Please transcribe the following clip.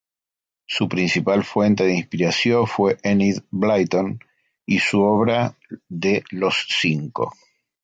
Su principal fuente de inspiración fue Enid Blyton, y su obra de Los Cinco.